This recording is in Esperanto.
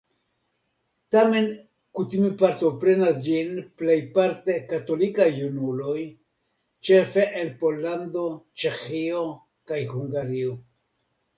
Tamen kutime partoprenas ĝin plejparte katolikaj junuloj, ĉefe el Pollando, Ĉeĥio kaj Hungario.